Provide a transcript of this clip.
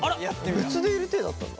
別でいる体だったんだ？